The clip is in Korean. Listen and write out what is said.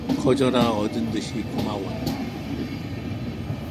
거저나 얻은 듯이 고마웠다.